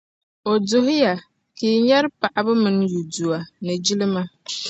o duhi ya, ka yi nyari paɣibu mini yudua ni jilima.